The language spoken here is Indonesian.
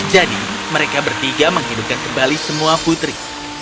jadi mereka bertiga menghidupkan kembali semua putri